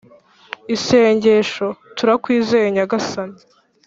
Isengesho: Turakwizeye Nyagasani